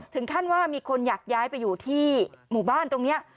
ถึงขั้นว่ามีคนอยากย้ายไปอยู่ที่หมู่บ้านตรงนี้